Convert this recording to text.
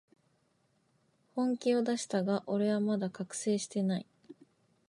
本気を出したが、俺はまだ覚醒してない